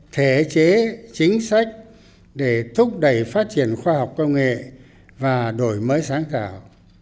thể chế chính sách để thúc đẩy phát triển khoa học công nghệ và đổi mới sáng tạo